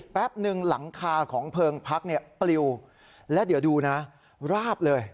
แป๊บนึงหลังคาของเพลิงพักเนี่ยปลิวและเดี๋ยวดูนะราบเลย